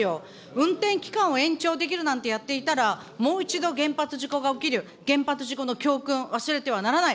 運転期間を延長できるなんてやっていたら、もう一度原発事故が起きる、原発事故の教訓、忘れてはならない。